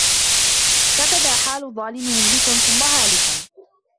فَكَذَا حَالُ الظَّالِمِ مُهْلِكٌ ثُمَّ هَالِكٌ